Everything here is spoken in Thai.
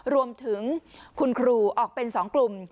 รวมถึงคุณครูออกเป็น๒กลุ่ม